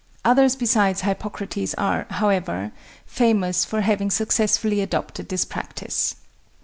Others besides Hippocrates are, however, famous for having successfully adopted this practice.